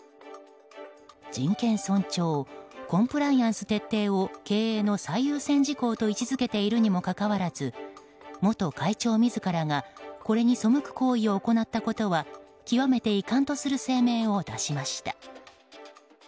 人権尊重コンプライアンス徹底を経営の最優先事項と位置付けているにもかかわらず元会長自らがこれに背く行為を行ったことは極めて遺憾とする声明を出しました。